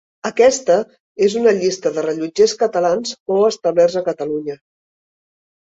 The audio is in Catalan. Aquesta és una llista de rellotgers catalans o establerts a Catalunya.